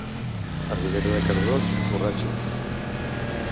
A Ribera de Cardós, borratxos.